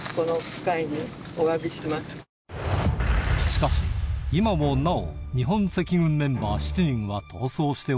しかし今もなお日本赤軍メンバー